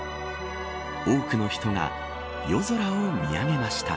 多くの人が夜空を見上げました。